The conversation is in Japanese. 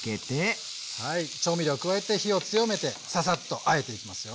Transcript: はい調味料加えて火を強めてササッとあえていきますよ。